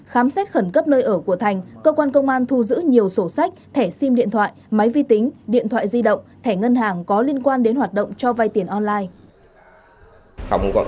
khám xét khẩn cấp nơi ở của thành cơ quan công an thu giữ nhiều sổ sách thẻ sim điện thoại máy vi tính điện thoại di động thẻ ngân hàng có liên quan đến hoạt động cho vai tiền online